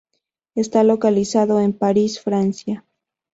Está localizado en París, Francia.